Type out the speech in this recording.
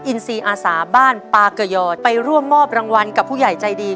อินซีอาสาบ้านปากยอดไปร่วมมอบรางวัลกับผู้ใหญ่ใจดี